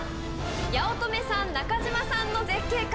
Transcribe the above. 八乙女さん中島さんの絶景か？